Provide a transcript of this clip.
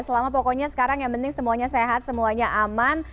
selama pokoknya sekarang yang penting semuanya sehat semuanya aman